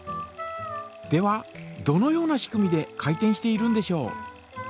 ではどのような仕組みで回転しているんでしょう。